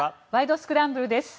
スクランブル」です。